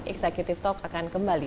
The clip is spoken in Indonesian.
executive talk akan kembali